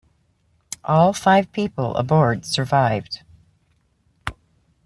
All five people aboard survived.